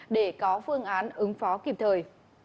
để có phương án ứng phó kịp thời